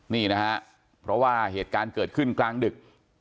นี่นะฮะเพราะว่าเหตุการณ์เกิดขึ้นกลางดึก